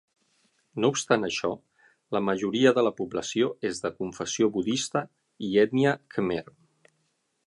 No obstant això, la majoria de la població és de confessió budista i ètnia khmer.